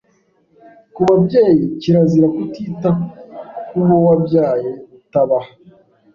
Ku babyeyi, kirazira: Kutita ku bo wabyaye utabaha